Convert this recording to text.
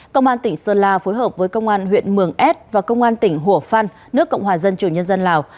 công an tỉnh sơn la phối hợp với công an huyện mường ed và công an tỉnh hủa phan nước cộng hòa dân chủ nhân dân lào